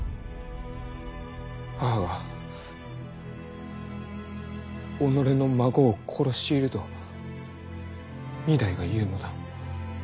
母が己の孫を殺していると御台が言うのだ。